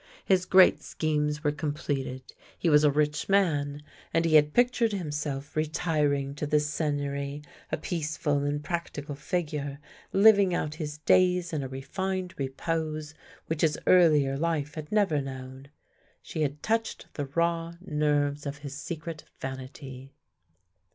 His great scliemes were completed, he was a rich man, and he had pictured himself retiring to this Seigneury, a peaceful and practical figure living out his days in a refined repose which his earlier life had never known. She had touched the raw nerves of his secret vanity.